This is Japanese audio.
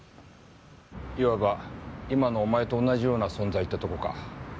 いわば今のお前と同じような存在ってとこか。